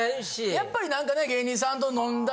やっぱり何かね。